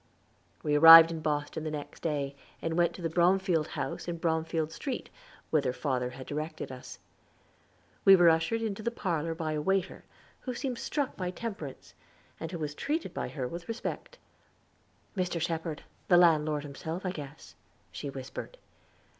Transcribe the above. We arrived in Boston the next day and went to the Bromfield House in Bromfield Street, whither father had directed us. We were ushered to the parlor by a waiter, who seemed struck by Temperance, and who was treated by her with respect. "Mr. Shepherd, the landlord, himself, I guess," she whispered.